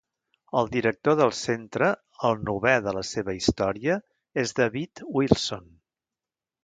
El director del centre, el novè de la seva història, és David Wilson.